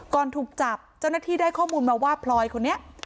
ถูกจับเจ้าหน้าที่ได้ข้อมูลมาว่าพลอยคนนี้